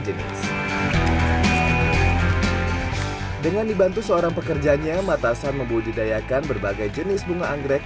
juga telah merambah berbagai supermarket